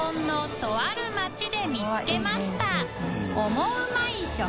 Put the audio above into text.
稙椶とある町で見つけました和田）